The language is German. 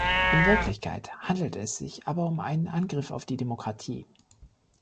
In Wirklichkeit handelt es sich aber um einen Angriff auf die Demokratie.